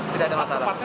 tidak ada masalah